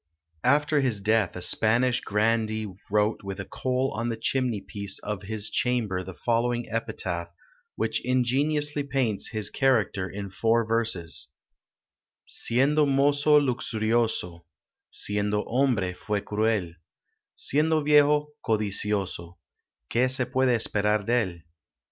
After his death a Spanish grandee wrote with a coal on the chimney piece of his chamber the following epitaph, which ingeniously paints his character in four verses: Siendo moço luxurioso; Siendo hombre, fue cruel; Siendo viejo, codicioso: Que se puede esperar del?